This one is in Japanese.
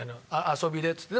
遊びでっつって。